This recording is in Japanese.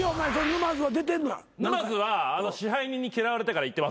沼津は支配人に嫌われてから行ってません。